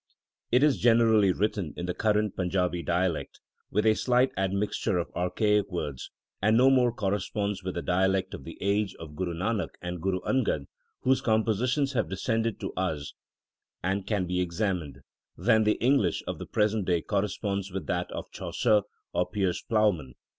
It is generally written in the current Panjabi dialect, with a slight admixture of archaic words, and no more corresponds with the dialect of the age of Guru Nanak and Guru Angad, whose compositions have descended to us and can be examined, than the English of the present day corresponds with that of Chaucer or Piers Plowman.